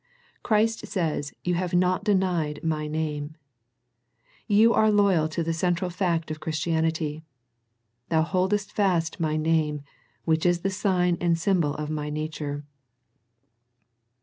Christ says You have not denied My name. You are loyal to the central fact of Christianity. Thou boldest fast My name, which is the sign and symbol of My nature.